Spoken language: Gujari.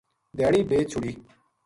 دھیانی بیچ چھُڑی